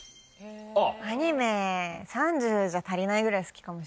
アニメ３０％じゃ足りないぐらい好きかもしれない。